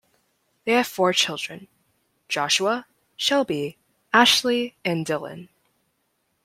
They have four children: Joshua, Shelby, Ashley, and Dylan.